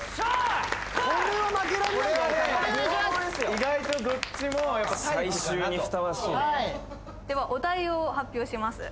意外とどっちもではお題を発表します